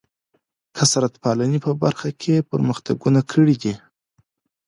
کثرت پالنې په برخه کې پرمختګونه کړي دي.